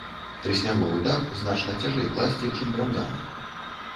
Трысняговы дах значна цяжэй класці, чым драўляны.